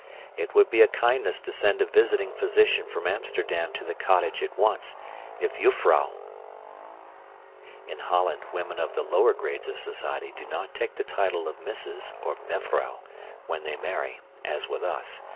It would be a kindness to send a visiting physician from Amsterdam to the cottage at once, if Jufvrouw *{In Holland, women of the lower grades of society do not take the title of Mrs. (or Mevrouw) when they marry, as with us.